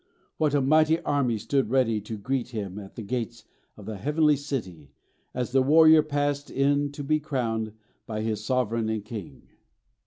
What a mighty army stood ready to greet him at the gates of the heavenly city as the warrior passed in to be crowned by his Sovereign and King!"